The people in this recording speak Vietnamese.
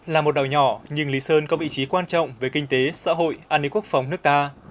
là một đảo nhỏ nhưng lý sơn có vị trí quan trọng về kinh tế xã hội an ninh quốc phòng nước ta